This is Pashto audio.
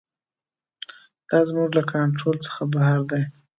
دا زموږ له کنټرول څخه بهر دی.